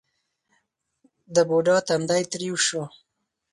د بوډا تندی ترېو شو: